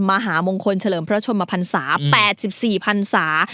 มหามงคลเฉลิมพระชนมพันศา๘๔พันศา